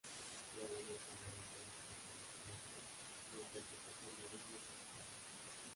La banda estaba orientada preferentemente a la interpretación de ritmos tropicales.